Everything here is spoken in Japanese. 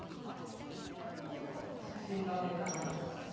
こっちは、もうちょっと写真が多いかな。